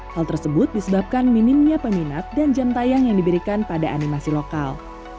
hal tersebut disebabkan minimnya peminat dan jam tayang yang diberikan pada animasi lokal